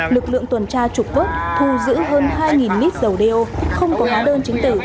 lực lượng tuần tra trục vớt thu giữ hơn hai lít dầu đeo không có hóa đơn chứng tử